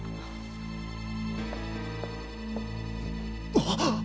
あっ！